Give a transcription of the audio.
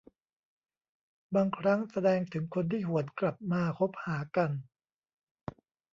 บางครั้งแสดงถึงคนที่หวนกลับมาคบหากัน